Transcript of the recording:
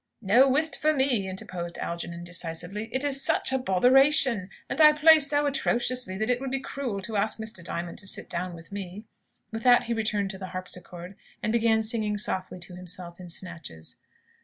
"No whist for me," interposed Algernon, decisively. "It is such a botheration. And I play so atrociously that it would be cruel to ask Mr. Diamond to sit down with me." With that he returned to the harpsichord, and began singing softly to himself in snatches.